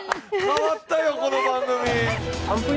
変わったよこの番組。